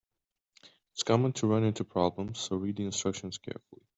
It's common to run into problems, so read the instructions carefully.